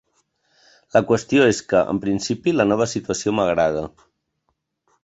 La qüestió és que, en principi, la nova situació m'agrada.